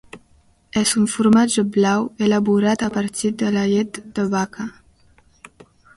És un formatge blau elaborat a partir de la llet de vaca.